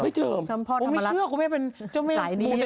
ผมไม่เชื่อคุณแม่เป็นหลายนี้